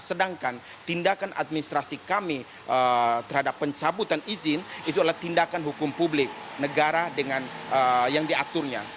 sedangkan tindakan administrasi kami terhadap pencabutan izin itu adalah tindakan hukum publik negara yang diaturnya